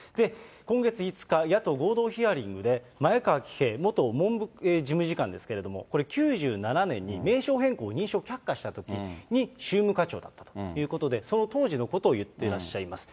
今月５日、野党合同ヒアリングで前川喜平元文科事務次官ですけれども、これ、９７年に名称変更の認証を却下したときに、宗務課長ということで、その当時のことを言ってらっしゃいます。